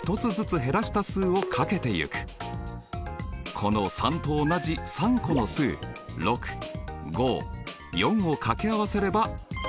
そしてこの３と同じ３個の数６５４をかけ合わせれば求まるよ。